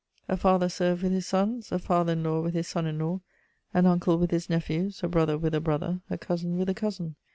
A father served with his sons, a father in law with his son in law, an uncle with his nephews, a brother with a brother, a cousin with a cousin.